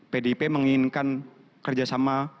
pdip menginginkan kerja sama